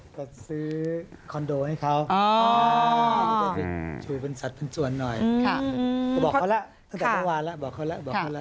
ชุดซื้อคอนโดให้เขา